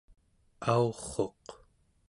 aurruq